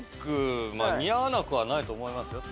似合わなくはないと思いますよ。